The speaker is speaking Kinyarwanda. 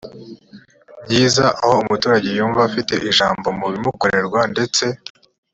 myiza aho umuturage yumva afite ijambo mu bimukorerwa ndetse